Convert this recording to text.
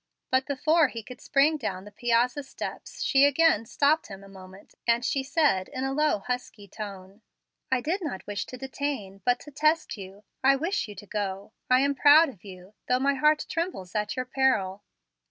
But before he could spring down the piazza, steps she again stopped him a moment, as she said, in a low, husky tone: "I did not wish to detain, but to test you. I wish you to go. I am proud of you, though my heart trembles at your peril.